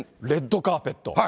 レッドカーペット。